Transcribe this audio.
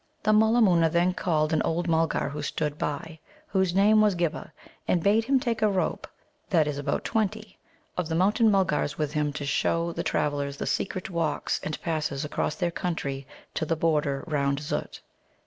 The Mulla moona then called an old Mulgar who stood by, whose name was Ghibba, and bade him take a rope (that is, about twenty) of the Mountain mulgars with him to show the travellers the secret "walks" and passes across their country to the border round Zut.